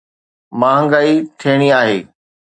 مهانگائي ٿيڻي آهي.